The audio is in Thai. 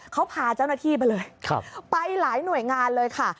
เขาพาเจ้าหน้าที่ไปเลยไปหลายหน่วยงานเลยค่ะ